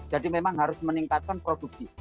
jadi memang harus meningkatkan produksi